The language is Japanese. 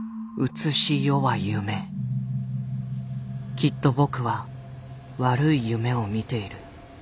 きっと僕は悪い夢を見ている。